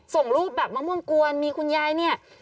ส่งรูปแบบมะม่วงกวนมีคุณยายเนี่ย